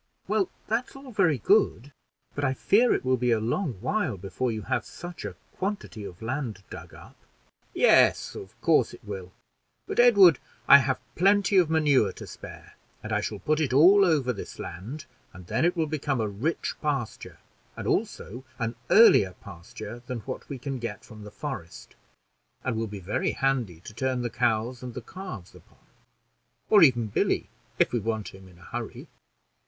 "Well, that's all very good; but I fear it will be a long while before you have such a quantity of land dug up." "Yes, of course it will; but, Edward, I have plenty of manure to spare, and I shall put it all over this land, and then it will become a rich pasture, and also an earlier pasture than what we can get from the forest, and will be very handy to turn the cows and the calves upon; or even Billy, if we want him in a hurry."